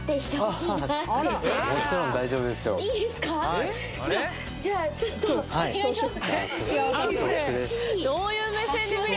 はいじゃあちょっとお願いします